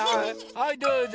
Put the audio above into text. はいどうぞ！